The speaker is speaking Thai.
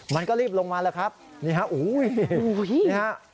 มันก็รีบลงมาแล้วครับนี่ฮะอุ้ยนี่ฮะ